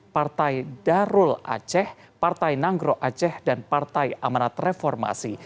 partai darul aceh partai nanggro aceh dan partai amanat reformasi